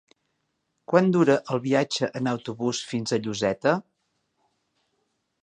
Quant dura el viatge en autobús fins a Lloseta?